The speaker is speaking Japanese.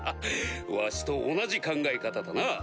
わしと同じ考え方だな。